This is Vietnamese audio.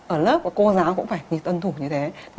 ở lớp của cô giáo cũng phải tân thủ như thế